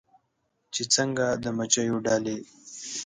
چې څنګه د مچېو ډلې